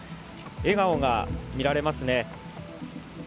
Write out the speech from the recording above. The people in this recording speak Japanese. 笑顔が見られますね。